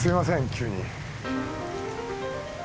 急に。